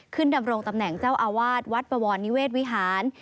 ดำรงตำแหน่งเจ้าอาวาสวัดปวรนิเวศวิหาร